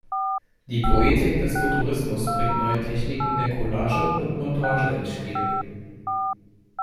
Die Poetik des Futurismus bringt neue Techniken der Collage und Montage ins Spiel.